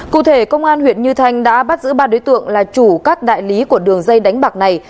cụ thể công an huyện như thanh đã bắt giữ ba đối tượng là chủ các đại lý của đường dây đánh bạc này